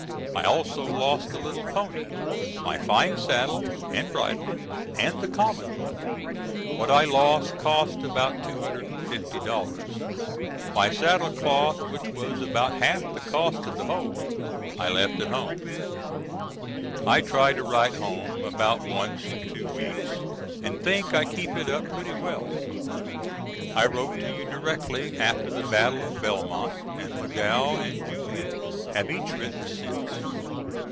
I also lost the little pony, my fine saddle and bridle, and the common one. What I lost cost about $250. My saddle cloth which was about half the cost of the whole, I left at home. I try to write home about once in two weeks and think I keep it up pretty well. I wrote to you directly after the battle of Belmont, and Lagow and Julia have each written since.